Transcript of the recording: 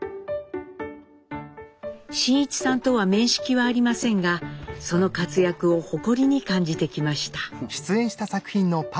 真一さんとは面識はありませんがその活躍を誇りに感じてきました。